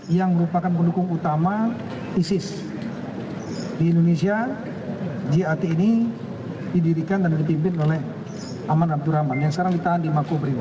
yang merupakan pendukung utama isis di indonesia jat ini didirikan dan dipimpin oleh aman abdurrahman yang sekarang ditahan di makobrimo